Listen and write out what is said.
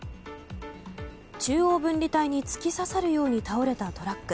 中央分離帯に突き刺さるように倒れたトラック。